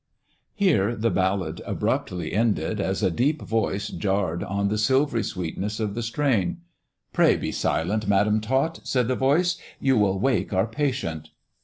Here the ballad abruptly ended, as a deep voice jarre on the silvery sweetness of the strain. " Pray be silent, Madam Tot," said the voice, " you wil wake our patient."